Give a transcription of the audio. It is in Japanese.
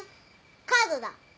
カードだ。